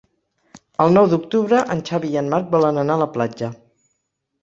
El nou d'octubre en Xavi i en Marc volen anar a la platja.